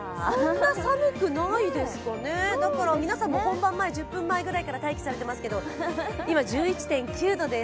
だから皆さんも本番１０分前ぐらいから待機されていますけど、今１１．９度です。